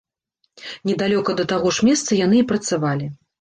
Недалёка да таго ж месца яны і працавалі.